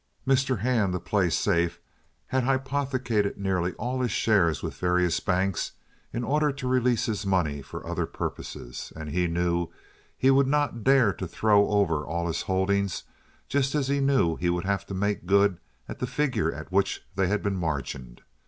Mr. Hand, to play safe, had hypothecated nearly all his shares with various banks in order to release his money for other purposes, and he knew he would not dare to throw over all his holdings, just as he knew he would have to make good at the figure at which they had been margined.